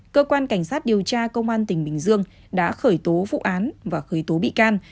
cơ quan cảnh sát điều tra công an tỉnh bình dương đã khởi tố vụ án và khởi tố bị can